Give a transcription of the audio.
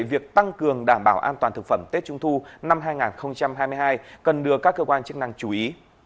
việc tăng cường đảm bảo an toàn thực phẩm tết trung thu năm hai nghìn hai mươi hai cần được các cơ quan chức năng chú ý